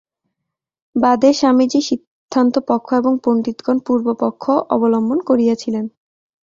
বাদে স্বামীজী সিদ্ধান্তপক্ষ এবং পণ্ডিতগণ পূর্বপক্ষ অবলম্বন করিয়াছিলেন।